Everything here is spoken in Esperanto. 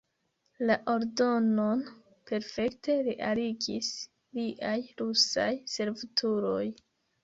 La ordonon perfekte realigis liaj rusaj servutuloj.